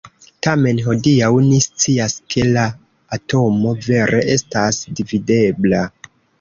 Tamen, hodiaŭ ni scias ke la atomo vere estas dividebla.